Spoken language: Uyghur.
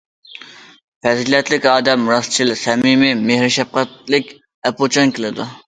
پەزىلەتلىك ئادەم راستچىل، سەمىمىي، مېھىر- شەپقەتلىك، ئەپۇچان كېلىدۇ.